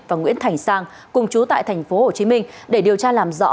và nguyễn thành sang cùng chú tại thành phố hồ chí minh để điều tra làm rõ